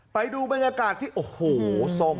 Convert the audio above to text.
ไปดูบรรยากาศที่โอ้โหทรง